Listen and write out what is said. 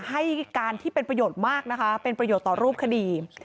ให้การที่เป็นประโยชน์มากนะคะเป็นประโยชน์ต่อรูปคดี